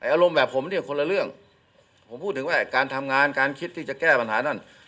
อารมณ์แบบผมเนี่ยคนละเรื่องผมพูดถึงว่าการทำงานการคิดที่จะแก้ปัญหานั่น